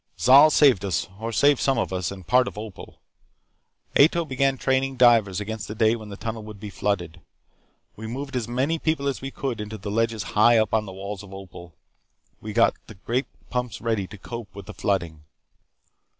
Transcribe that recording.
"Zol saved us. Or saved some of us and a part of Opal. Ato began training divers against the day when the tunnel would be flooded. We moved as many people as we could onto the ledges high up on the walls of Opal. We got our great pumps ready to cope with the flooding.